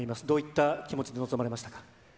どういった気持ちで臨まれましたか。